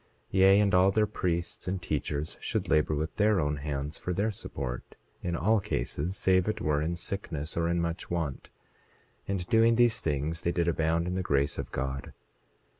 27:5 Yea, and all their priests and teachers should labor with their own hands for their support, in all cases save it were in sickness, or in much want; and doing these things, they did abound in the grace of God.